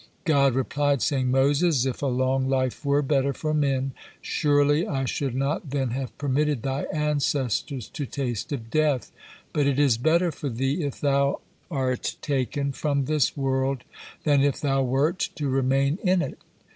God replied, saying: "Moses, if a long life were better for men, surely I should not then have permitted thy ancestors to taste of death; but it is better for thee if thou are taken from this world than if thou wert to remain in it."